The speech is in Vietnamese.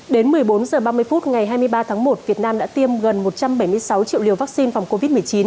đến một mươi bốn h ba mươi phút ngày hai mươi ba tháng một việt nam đã tiêm gần một trăm bảy mươi sáu triệu liều vaccine phòng covid một mươi chín